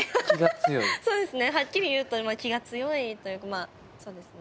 そうですねはっきり言うと気が強いというかそうですね。